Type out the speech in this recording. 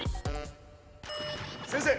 先生！